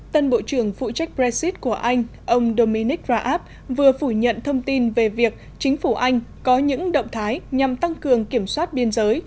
tân bộ trưởng phụ trách brexit của anh ông dominic raab vừa phủ nhận thông tin về việc chính phủ anh có những động thái nhằm tăng cường kiểm soát biên giới